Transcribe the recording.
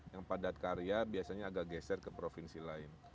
yang padat karya biasanya agak geser ke provinsi lain